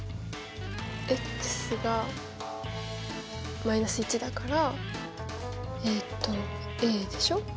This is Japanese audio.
が−１だからえっとでしょ。